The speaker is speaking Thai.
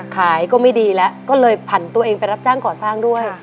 ขายก็ไม่ดีแล้วก็เลยผันตัวเองไปรับจ้างก่อสร้างด้วย